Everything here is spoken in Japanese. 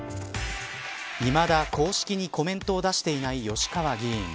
いまだ公式にコメントを出していない吉川議員。